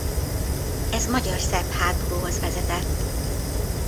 Ez magyar–szerb háborúhoz vezetett.